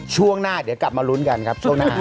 ช่วงหน้าเดี๋ยวกลับมาลุ้นกันครับช่วงหน้า